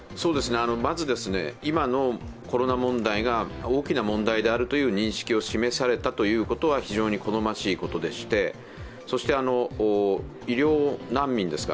まず、今のコロナ問題が大きな問題であるという認識を示されたということは非常に好ましいことでしてそして、医療難民ですか。